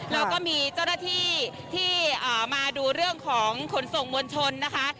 แล้วก็มีเจ้าหน้าที่ที่มาดูเรื่องของขนส่งมวลชนนะคะ